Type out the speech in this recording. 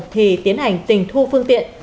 thì tiến hành tình thu phương tiện